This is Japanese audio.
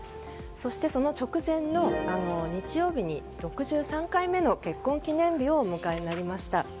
そしてその直前の日曜日に６３回目の結婚記念日をお迎えになりました。